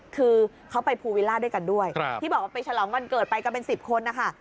คือเขาไปภูวิลล่าด้วยกันด้วยที่บอกว่าไปฉลองวันเกิดไปกันเป็น๑๐คนนะคะ